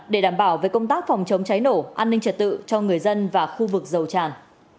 để đảm bảo về công tác phòng chống cháy nổ an ninh trật tự cho người dân và khu vực dầu tràn